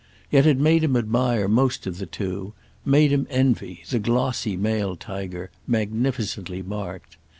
Yet it made him admire most of the two, made him envy, the glossy male tiger, magnificently marked.